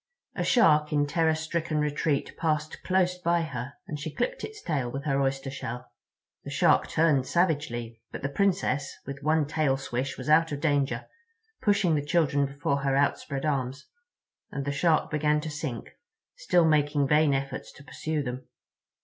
A Shark in terror stricken retreat passed close by her, and she clipped its tail with her oyster shell. The Shark turned savagely, but the Princess with one tail swish was out of danger, pushing the children before her outspread arms, and the Shark began to sink, still making vain efforts to pursue them.